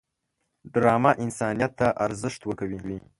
ډرامه انسانیت ته ارزښت ورکوي